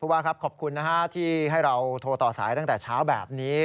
ว่าครับขอบคุณนะฮะที่ให้เราโทรต่อสายตั้งแต่เช้าแบบนี้